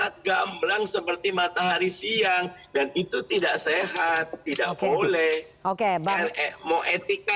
sangat gamblang seperti matahari siang dan itu tidak sehat tidak boleh oke banget mau etika